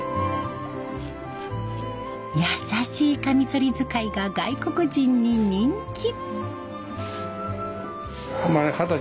優しいカミソリ使いが外国人に人気。